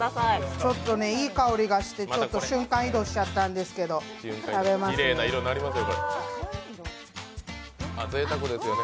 ちょっといい香りがして、瞬間移動しちゃったんですけど食べますね。